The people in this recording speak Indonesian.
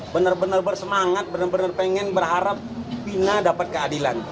benar benar bersemangat benar benar pengen berharap fina dapat keadilan